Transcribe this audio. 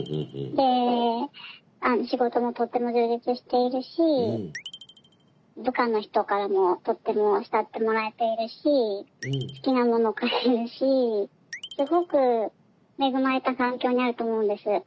で仕事もとても充実しているし部下の人からもとっても慕ってもらえているし好きなもの買えるしすごく恵まれた環境にあると思うんです。